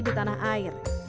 di tanah air